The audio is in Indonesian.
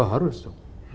wah harus dong